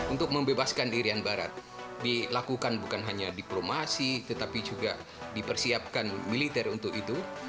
untuk membebaskan irian barat dilakukan bukan hanya diplomasi tetapi juga dipersiapkan militer untuk itu